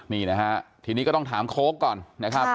นี่นะฮะทีนี้ก็ต้องถามโค้กก่อนนะครับ